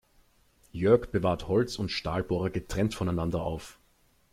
Jörg bewahrt Holz- und Stahlbohrer getrennt voneinander auf.